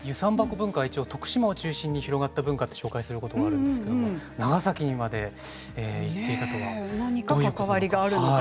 文化は一応、徳島を中心に広がった文化とお伝えすることがあるんですがなぜ、長崎にまでいっていたとはどういうことか。